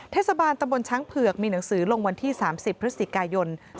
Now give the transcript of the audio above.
เทศบาลตำบลช้างเผือกมีหนังสือลงวันที่๓๐พฤศจิกายน๒๕๖